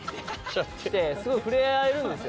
すごい触れ合えるんですよ。